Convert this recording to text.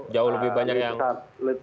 jauh lebih banyak yang